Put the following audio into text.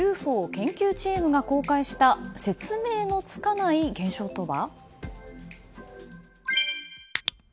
研究チームが公開した説明のつかない現象とは？